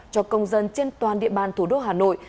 cho công dân trên toàn địa bàn thủ đô hà nội